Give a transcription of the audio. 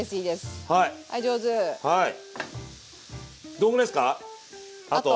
どんぐらいですかあと？